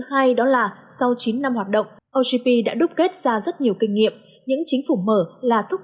hai đó là sau chín năm hoạt động ocp đã đúc kết ra rất nhiều kinh nghiệm những chính phủ mở là thúc